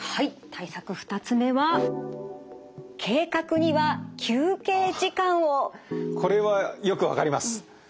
対策２つ目はこれはよく分かります。